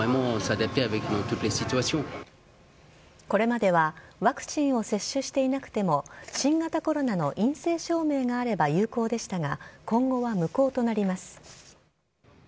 これまではワクチンを接種していなくても、新型コロナの陰性証明があれば有効でしたが、今後は無効となります。